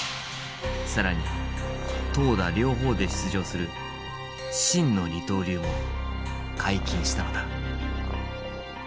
更に投打両方で出場する真の二刀流も解禁したのだ。